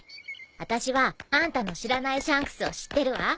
あたしはあんたの知らないシャンクスを知ってるわ。